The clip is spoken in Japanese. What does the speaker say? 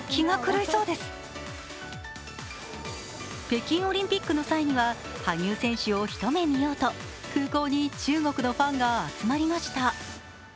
北京オリンピックの際には羽生選手を一目見ようと空港に中国のファンが集まりました。